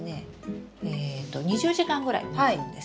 えと２０時間ぐらいもつんです。